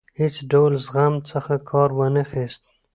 هیڅ ډول زغم څخه کار وانه خیست.